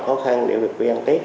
khó khăn để về quê ăn tết